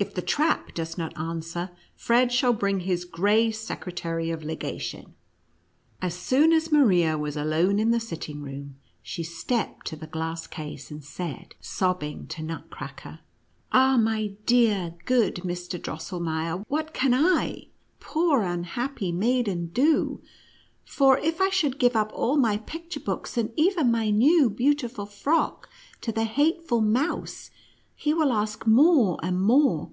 If the trap does not answer, Fred shall bring his gray secretary of legation." As soon as Maria was alone in the sitting room, she stepped to the glass case, and said, sobbing, to Nutcracker: "Ah, my dear, good Mr. Drosselmeier, what can I — poor, unhappy maiden — do? for, if I should give up all my picture books, and even my new, beautiful frock, to the hateful mouse, he will ask more and more.